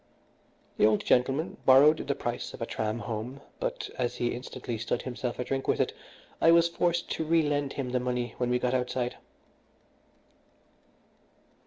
The old gentleman borrowed the price of a tram home; but as he instantly stood himself a drink with it, I was forced to relend him the money when we got outside.